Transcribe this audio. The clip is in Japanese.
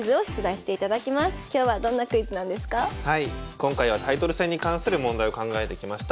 今回はタイトル戦に関する問題を考えてきました。